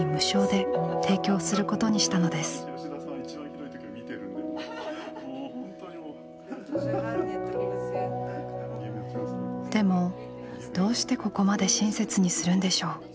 でもどうしてここまで親切にするんでしょう？